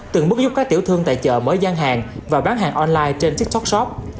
từng bước giúp các tiểu thương tại chợ mở gian hàng và bán hàng online trên tiktok shop